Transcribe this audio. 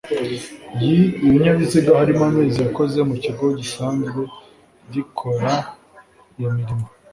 y ibinyabiziga harimo amezi yakoze mu kigo gisanzwe gikora iyo mirimo